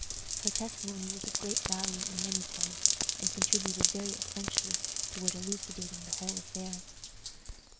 Her testimony was of great value in many points, and contributed very essentially toward elucidating the whole affair.